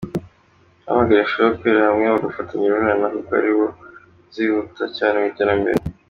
Yahamagariye Afrika gukorera hamwe bagafatana urunana kuko ari bwo bazihuta cyane mu iterambere.